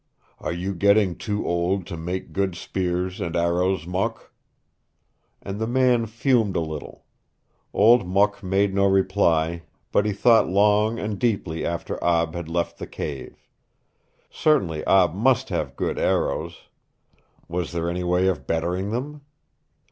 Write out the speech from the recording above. Are you getting too old to make good spears and arrows, Mok?" And the man fumed a little. Old Mok made no reply, but he thought long and deeply after Ab had left the cave. Certainly Ab must have good arrows! Was there any way of bettering them?